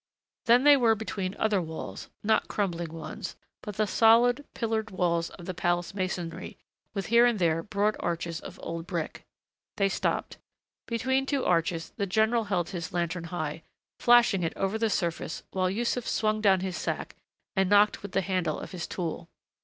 Then they were between other walls, not crumbling ones, but the solid, pillared blocks of the palace masonry with here and there broad arches of old brick. They stopped. Between two arches the general held his lantern high, flashing it over the surface while Yussuf swung down his sack and knocked with the handle of his tool.